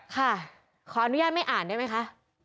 ขออนุญาตไม่อ่านได้ไหมคะ